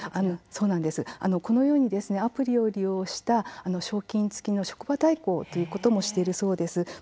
このようにアプリを利用した賞金つきの職場対抗ということもしているそうです。